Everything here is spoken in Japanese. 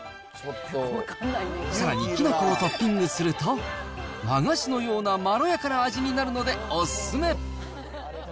さらにきな粉をトッピングすると、和菓子のようなまろやかな味になるので、お勧め。